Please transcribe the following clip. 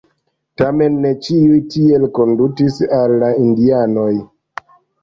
Tamen ne ĉiu tiel kondutis al la indianoj.